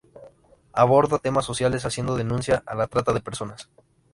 Aborda temas sociales, haciendo denuncia a la trata de personas.